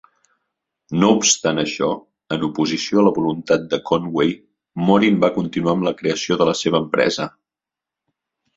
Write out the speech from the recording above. No obstant això, en oposició a la voluntat de Conway, Morin va continuar amb la creació de la seva empresa.